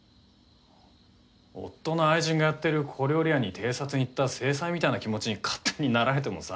夫の愛人がやってる小料理屋に偵察に行った正妻みたいな気持ちに勝手になられてもさ。